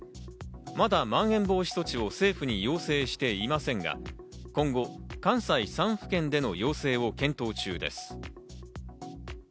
まだまん延防止措置を政府に要請していませんが、今後、関西３府県での要請を検討中です。